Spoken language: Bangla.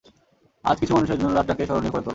আজ কিছু মানুষের জন্য রাতটাকে স্মরণীয় করে তোল।